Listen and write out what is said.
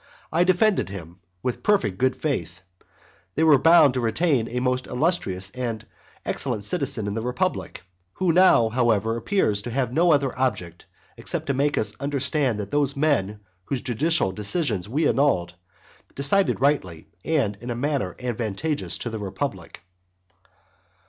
I defended him with perfect good faith, they were bound to retain a most illustrious and excellent citizen in the republic, who now, however, appears to have no other object except to make us understand that those men whose judicial decisions we annulled, decided rightly and in a manner advantageous to the republic.